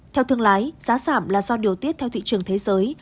theo thương lái giá giảm là do điều tiết theo thị trường thế giới